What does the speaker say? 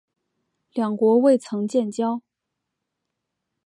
两国未曾建交。